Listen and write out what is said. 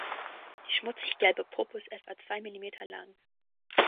Die schmutzig gelbe Puppe ist etwa zwei Millimeter lang.